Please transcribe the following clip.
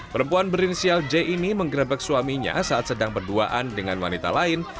perempuan berinisial j ini menggerebek suaminya saat sedang berduaan dengan wanita lain